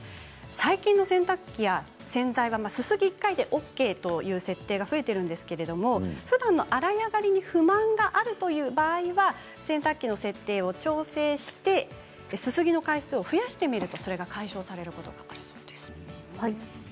最近の洗濯機、洗剤はすすぎ１回でＯＫという設定が増えていますがふだんの洗い上がりに不満があるという場合は洗濯機の設定を調整してすすぎの回数を増やしてみるとそれが解消されることもあるそうです。